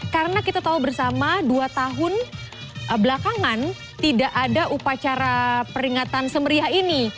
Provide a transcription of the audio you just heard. karena kita tahu bersama dua tahun belakangan tidak ada upacara peringatan semeriah ini